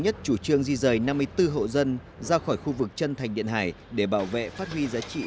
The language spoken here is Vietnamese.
nhất chủ trương di rời năm mươi bốn hộ dân ra khỏi khu vực chân thành điện hải để bảo vệ phát huy giá trị